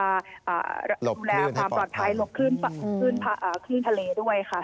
ดูแลความปลอดภัยขึ้นทะเลด้วยค่ะ